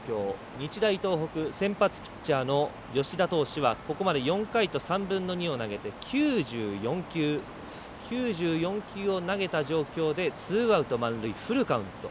日大東北先発ピッチャーの吉田投手はここまで４回と３分の２を投げて９４球を投げた状況でツーアウト満塁、フルカウント。